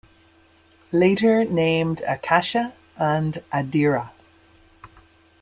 Later named Akasha and Adira.